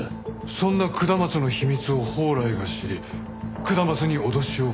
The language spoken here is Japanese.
そんな下松の秘密を宝来が知り下松に脅しをかけていた。